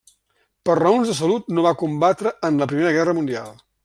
Per raons de salut, no va combatre en la Primera Guerra Mundial.